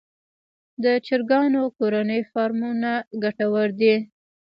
د چرګانو کورني فارمونه ګټور دي